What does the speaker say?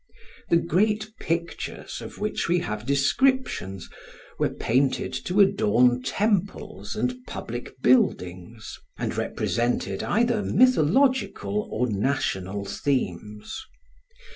The great pictures of which we have descriptions were painted to adorn temples and public buildings, and represented either mythological or national themes.